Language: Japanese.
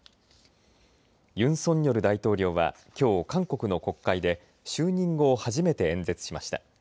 ユン・ソンニョル大統領はきょう韓国の国会で就任後、初めて演説しました。